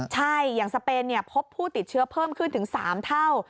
ใช่อย่างสเปนพบผู้ติดเชื้อเพิ่มขึ้นถึง๓เท่า